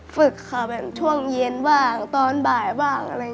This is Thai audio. ฝึกค่ะแบบช่วงเย็นบ้างตอนบ่ายบ้างอะไรอย่างนี้